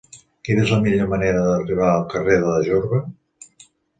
Quina és la millor manera d'arribar al carrer de Jorba?